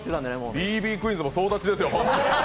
Ｂ．Ｂ．クィーンズも総立ちですよ。